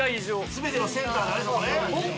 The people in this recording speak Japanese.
全てのセンターだねそこね。